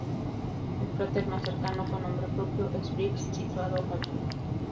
El cráter más cercano con nombre propio es Briggs, situado al sur.